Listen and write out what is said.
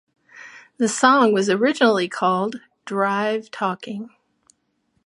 The song was originally called "Drive Talking".